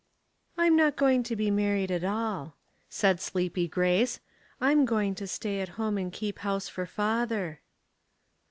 " I'm not going to be married at all," said sleepy Grace. " I'm going to stay at home and keep house for father."